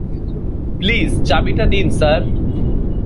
Please চাবিটা দিন sir.